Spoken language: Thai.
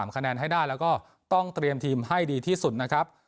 คะแนนให้ได้แล้วก็ต้องเตรียมทีมให้ดีที่สุดนะครับ